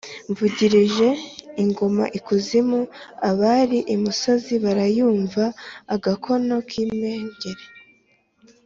mvugirije ingoma ikuzimu abari imusozi barayumva-agakono k'impengeri.